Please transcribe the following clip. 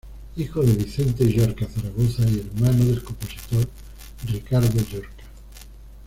Hijo de Vicente Llorca Zaragoza y hermano del compositor Ricardo Llorca.